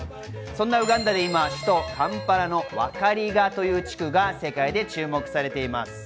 そんなウガンダで今、首都・カンパラのワカリガという地区が世界で注目されています。